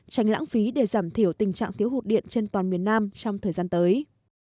tránh lãng phí để giảm thiểu tình trạng thiếu hụt điện trên toàn miền nam trong thời gian tới